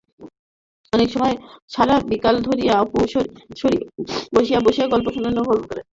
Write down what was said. অনেক সময় সারা বিকাল ধরিয়া অপু বসিয়া বসিয়া গল্প শোনে ও গল্প করে।